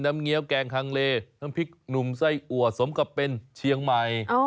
เงี้ยวแกงคังเลน้ำพริกหนุ่มไส้อัวสมกับเป็นเชียงใหม่